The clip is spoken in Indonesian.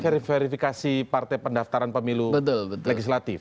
jadi verifikasi partai pendaftaran pemilu legislatif